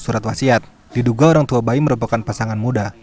surat wasiat diduga orang tua bayi merupakan pasangan muda